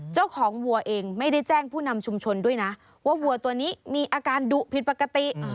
เจ้าของวัวเองไม่ได้แจ้งผู้นำชุมชนด้วยนะว่าวัวตัวนี้มีอาการดุผิดปกติ